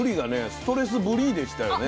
「ストレスブリー」でしたよね。